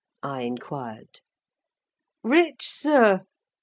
I inquired. "Rich, sir!"